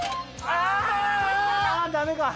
ああダメか！